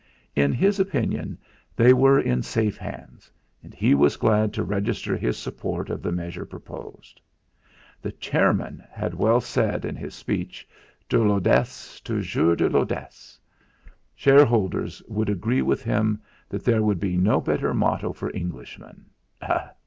In his opinion they were in safe hands, and he was glad to register his support of the measure proposed. The chairman had well said in his speech: 'de l'audace, toujours de l'audace!' Shareholders would agree with him that there could be no better motto for Englishmen.